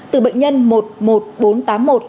từ bệnh nhân một một bốn tám một